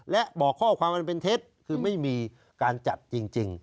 และบอกข้อความอันเป็นเท็จคือไม่มีการจัดจริง